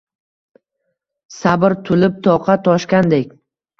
Sabr tulib toqat toshgandek